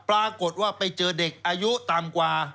ปรากฏว่าไปเจอเด็กอายุต่ำกว่า